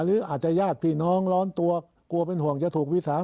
หรืออาจจะญาติพี่น้องร้อนตัวกลัวเป็นห่วงจะถูกวิสาน